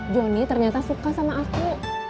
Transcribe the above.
johnny ternyata suka sama aku